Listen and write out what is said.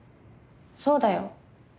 そうだよ。